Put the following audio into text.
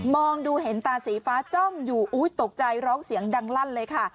ดูเห็นตาสีฟ้าจ้องอยู่ตกใจร้องเสียงดังลั่นเลยค่ะ